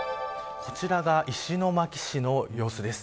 こちらが石巻市の様子です。